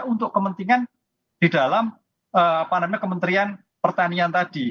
untuk kepentingan di dalam kementerian pertanian tadi